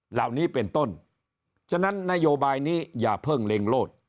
เหล่านี้เป็นต้นฉะนั้นนโยบายนี้อย่าเพิ่งเล็งโลด